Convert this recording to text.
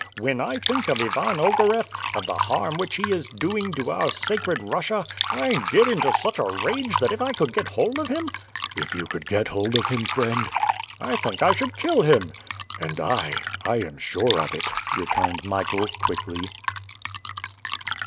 When I think of Ivan Ogareff, of the harm which he is doing to our sacred Russia, I get into such a rage that if I could get hold of him " "If you could get hold of him, friend?" "I think I should kill him." "And I, I am sure of it," returned Michael quietly.